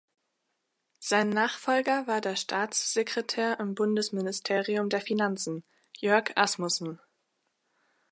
Sein Nachfolger war der Staatssekretär im Bundesministerium der Finanzen, Jörg Asmussen.